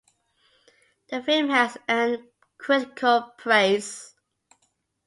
The film has earned critical praise.